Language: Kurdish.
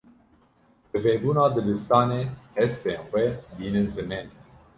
Bi vebûna dibistanê, hestên xwe bînin zimên.